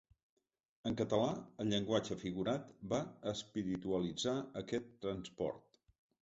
En català, el llenguatge figurat va espiritualitzar aquest transport.